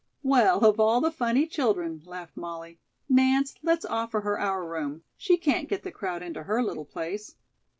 "Well, of all the funny children," laughed Molly. "Nance, let's offer her our room. She can't get the crowd into her little place."